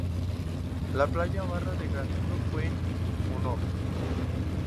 La playa barra de galindo fue en su honor.